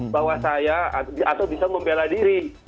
bahwa saya atau bisa membela diri